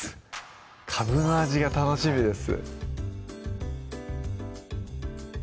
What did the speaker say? かぶの味が楽しみです